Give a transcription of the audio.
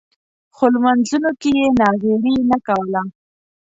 خو لمونځونو کې یې ناغېړي نه کوله.